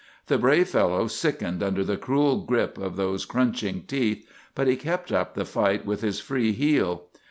The brave fellow sickened under the cruel grip of those crunching teeth; but he kept up the fight with his free heel.